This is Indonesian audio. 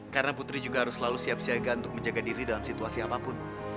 karena putri juga harus selalu siap siaga untuk menjaga diri dalam situasi apapun